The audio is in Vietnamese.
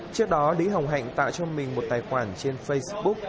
trước đó lý hồng hạnh tạo cho mình một tài khoản trên facebook